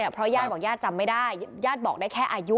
เพราะญาติบอกญาติจำไม่ได้ญาติบอกได้แค่อายุ